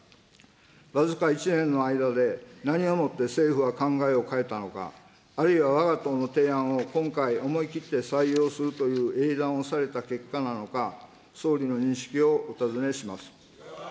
僅か１年の間で何をもって政府は考えを変えたのか、あるいはわが党の提案を今回思い切って採用するという英断をされた結果なのか、総理の認識をお尋ねします。